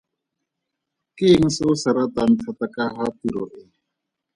Ke eng se o se ratang thata ka ga tiro e?